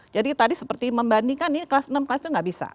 jadi tadi seperti membandingkan ini kelas enam kelas itu nggak bisa